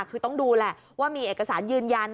คือต้องดูแหละว่ามีเอกสารยืนยัน